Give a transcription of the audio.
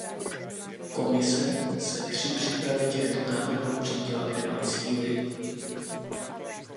Komise se při přípravě těchto návrhů řídila dvěma cíli.